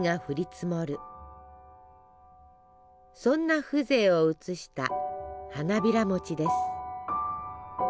そんな風情をうつした花びらもちです。